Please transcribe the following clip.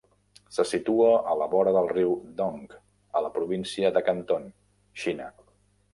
Se situa a la vora del Riu Dong a la Província de Canton, Xina.